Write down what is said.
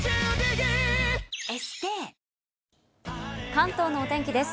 関東のお天気です。